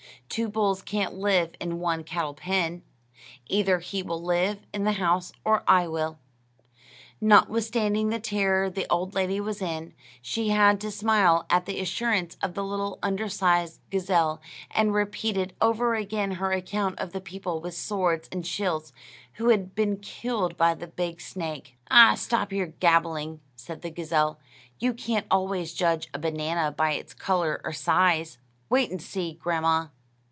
Two bulls can't live in one cattle pen. Either he will live in this house, or I will." Notwithstanding the terror the old lady was in, she had to smile at the assurance of this little undersized gazelle, and repeated over again her account of the people with swords and shields who had been killed by the big snake. "Ah, stop your gabbling!" said the gazelle; "you can't always judge a banana by its color or size. Wait and see, grandma."